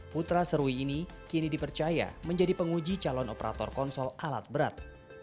putra serwi ini kini dipercaya menjadi penguji calon operator konsol alat berat